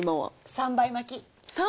３倍巻き。